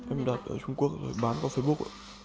em đặt ở trung quốc rồi bán qua facebook